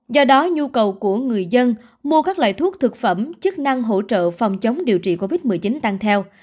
do đó nhu cầu của người dân mua các loại thuốc thực phẩm chức năng hỗ trợ phòng chống điều trị covid một mươi chín tăng theo